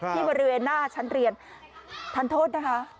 ที่บริเวณหน้าชั้นเรียนทันโทษนะคะ